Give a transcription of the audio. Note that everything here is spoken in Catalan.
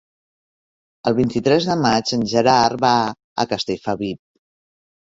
El vint-i-tres de maig en Gerard va a Castellfabib.